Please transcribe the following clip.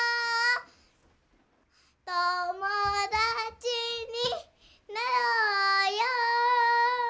「ともだちになろうよ」